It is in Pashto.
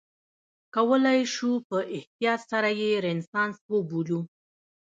کولای شو په احتیاط سره یې رنسانس وبولو.